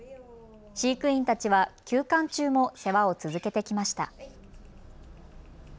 飼育員たちは休館中も世話を続けてきました。